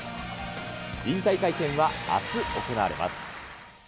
引退会見はあす行われます。